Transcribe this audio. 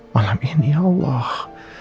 malam ini allah